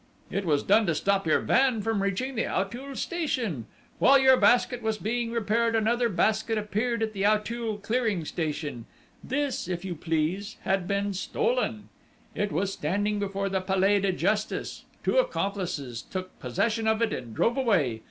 It was done to stop your van from reaching the Auteuil station!... While your Basket was being repaired, another Basket appeared at the Auteuil clearing station! This, if you please, had been stolen! It was standing before the Palais de Justice. Two accomplices took possession of it and drove away.